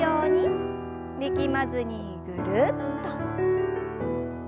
力まずにぐるっと。